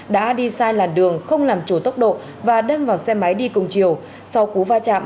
đã đi sai làn đường không làm chủ tốc độ và đâm vào xe máy đi cùng chiều sau cú va chạm